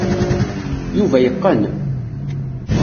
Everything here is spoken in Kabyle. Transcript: Yuba yeqqen.